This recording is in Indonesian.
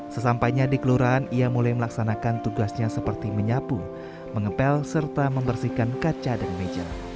sesampainya di kelurahan ia mulai melaksanakan tugasnya seperti menyapu mengepel serta membersihkan kaca dan meja